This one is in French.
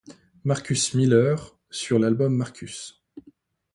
Marcus Miller, sur l'album Marcus.